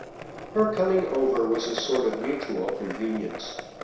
Her coming over was a sort of mutual convenience.